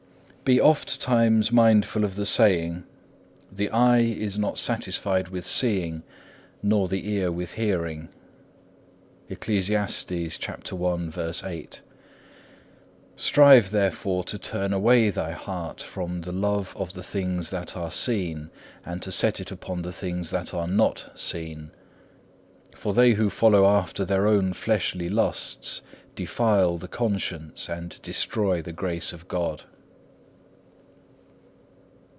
5. Be ofttimes mindful of the saying,(3) The eye is not satisfied with seeing, nor the ear with hearing. Strive, therefore, to turn away thy heart from the love of the things that are seen, and to set it upon the things that are not seen. For they who follow after their own fleshly lusts, defile the conscience, and destroy the grace of God.